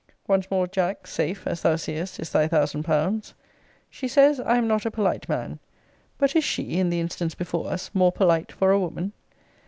Once more, Jack, safe, as thou seest, is thy thousand pounds. She says, I am not a polite man. But is she, in the instance before us, more polite for a woman?